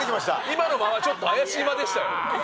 今の間はちょっと怪しい間でしたよ